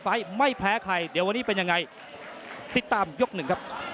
ไฟล์ไม่แพ้ใครเดี๋ยววันนี้เป็นยังไงติดตามยกหนึ่งครับ